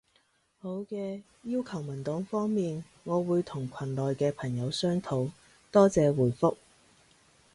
好嘅，要求文檔方面，我會同群內嘅朋友商討。多謝回覆